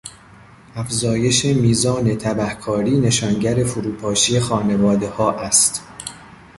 افزایش میزان تبهکاری نشانگر فروپاشی خانوادهها است.